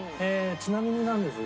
ちなみになんですが。